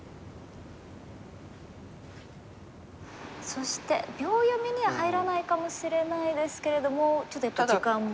そして秒読みには入らないかもしれないですけれどもちょっと時間も。